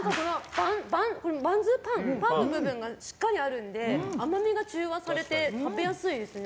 パンの部分がしっかりあるので甘みが中和されて食べやすいですね。